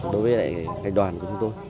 đối với đoàn của chúng tôi